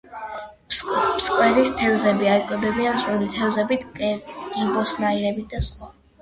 ფსკერის თევზებია, იკვებებიან წვრილი თევზებით, კიბოსნაირებით და სხვა.